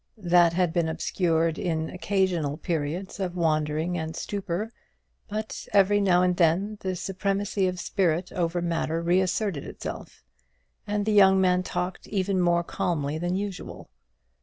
That had been obscured in occasional periods of wandering and stupor, but every now and then the supremacy of spirit over matter reasserted itself, and the young man talked even more calmly than usual.